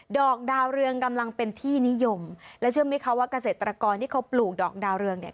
ดอกดาวเรืองกำลังเป็นที่นิยมและเชื่อไหมคะว่าเกษตรกรที่เขาปลูกดอกดาวเรืองเนี่ย